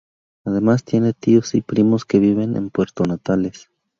Además tiene tíos y primos que viven en Puerto Natales.